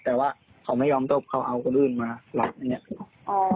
แต่ว่าเขาไม่ย้องจบเขาเอาคนอื่นมาหลัก